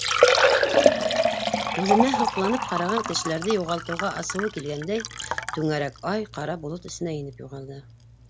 Үҙенә һоҡланып ҡараған кешеләрҙе юғалтыуға асыуы килгәндәй, түңәрәк ай ҡара болот эсенә инеп юғалды.